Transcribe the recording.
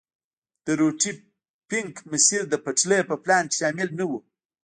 د روټي فنک مسیر د پټلۍ په پلان کې شامل نه وو.